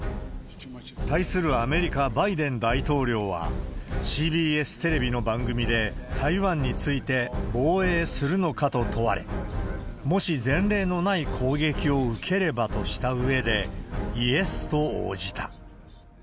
対するアメリカ、バイデン大統領は、ＣＢＳテレビの番組で、台湾について、防衛するのかと問われ、もし前例のない攻撃を受ければとしたうえで、イエスと応じた。